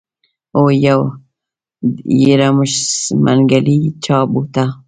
هو يره منګلی چا بوته.